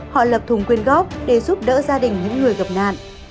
họ lập thùng quyên góp để giúp đỡ gia đình những người gặp nạn